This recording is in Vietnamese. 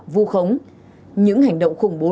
vô khống những hành động khủng bố